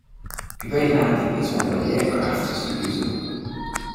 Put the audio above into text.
A great landing is one where the aircraft is reusable.